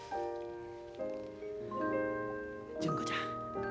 純子ちゃん。